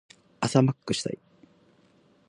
朝マックしたい。